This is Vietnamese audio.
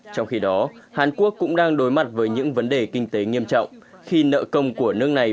trong khi đó hàn quốc cũng đang đối mặt với những vấn đề kinh tế nghiêm trọng khi nợ công của nước này